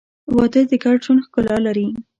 • واده د ګډ ژوند ښکلا لري.